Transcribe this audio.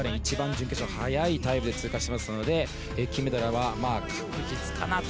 準決勝も一番速いタイムで通過していますので金メダルは確実かなと。